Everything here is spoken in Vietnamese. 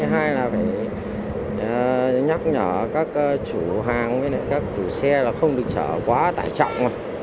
hay là nhắc nhở các chủ hàng các chủ xe không được chở quá tải trọng